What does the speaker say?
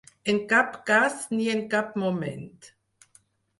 En cap cas ni en cap moment.